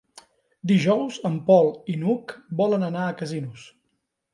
Dijous en Pol i n'Hug volen anar a Casinos.